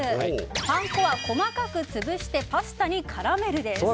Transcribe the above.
パン粉は細かくつぶしてパスタに絡める。